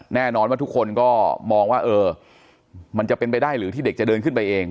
แน่นอนว่าทุกคนก็มองว่าเออมันจะเป็นไปได้หรือที่เด็กจะเดินขึ้นไปเอง